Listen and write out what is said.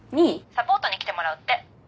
サポートに来てもらうって。